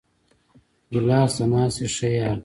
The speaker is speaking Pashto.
ګیلاس د ناستې ښه یار دی.